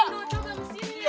ini udah dicoba